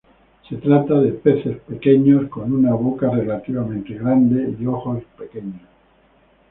Se trata de peces pequeñas con una boca relativamente grande y ojos pequeños.